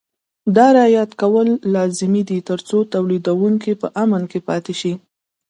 دا رعایت کول لازمي دي ترڅو تولیدوونکي په امن کې پاتې شي.